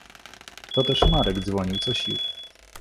Toteż Marek dzwonił co sił.